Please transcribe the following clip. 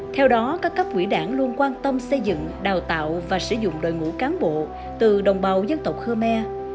theo đó các cấp quỹ đảng luôn quan tâm xây dựng đào tạo và sử dụng đội ngũ cán bộ từ đồng bào dân tộc khmer